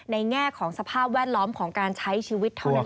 แง่ของสภาพแวดล้อมของการใช้ชีวิตเท่านั้นเอง